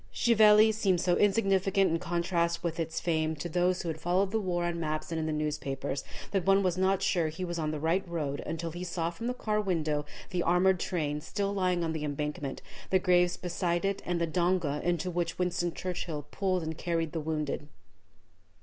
Chieveley seemed so insignificant in contrast with its fame to those who had followed the war on maps and in the newspapers, that one was not sure he was on the right road until he saw from the car window the armored train still lying on the embankment, the graves beside it, and the donga into which Winston Churchill pulled and carried the wounded.